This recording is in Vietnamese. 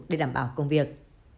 để đảm bảo công việc